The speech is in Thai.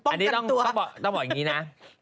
อันนี้ต้องบอกอย่างนี้นะ